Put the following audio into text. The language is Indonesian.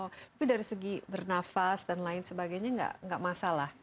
tapi dari segi bernafas dan lain sebagainya nggak masalah